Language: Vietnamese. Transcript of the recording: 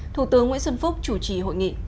thủ tướng nguyễn xuân phúc chủ trì hội nghị